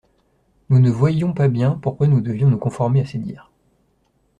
Nous ne voyions pas bien pourquoi nous devions nous conformer à ses dires.